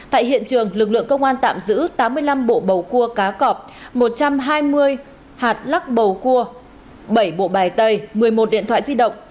tại hiện trường lực lượng công an tạm giữ tám mươi năm bộ bầu cua cá cọp một trăm hai mươi hạt lắc bầu cua bảy bộ bài tay một mươi một điện thoại di động